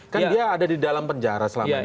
kan dia ada di dalam penjara selama ini